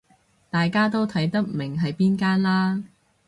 大家都睇得明係邊間啦